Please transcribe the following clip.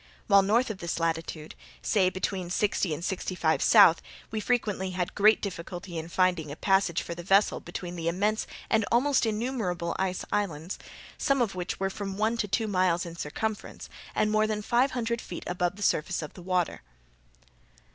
While north of this latitude, say between sixty and sixty five south, we frequently had great difficulty in finding a passage for the vessel between the immense and almost innumerable ice islands, some of which were from one to two miles in circumference, and more than five hundred feet above the surface of the water."